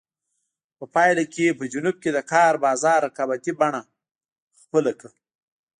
په پایله کې په جنوب کې د کار بازار رقابتي بڼه خپله کړه.